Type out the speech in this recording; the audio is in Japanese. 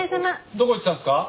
どこ行ってたんですか？